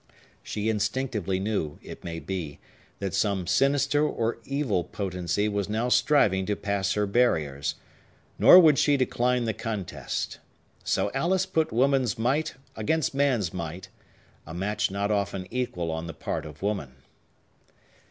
She instinctively knew, it may be, that some sinister or evil potency was now striving to pass her barriers; nor would she decline the contest. So Alice put woman's might against man's might; a match not often equal on the part of woman.